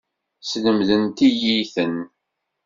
Slemdent-iyi-ten.